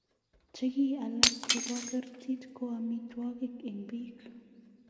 chikik alak chebo kertii ko amitwokik en biik